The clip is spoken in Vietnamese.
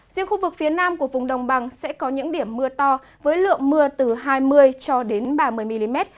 riêng khu vực phía nam của vùng đồng bằng sẽ có những điểm mưa to với lượng mưa từ hai mươi cho đến ba mươi mm